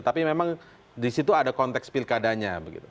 tapi memang disitu ada konteks pilkadanya